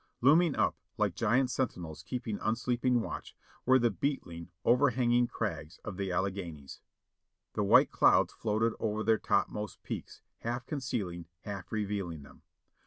Looming up, like giant sentinels keeping unsleeping watch, were the beetling, overhanging crags of the Alleghanies. The white clouds floated over their topmost peaks, half concealing, half revealing them.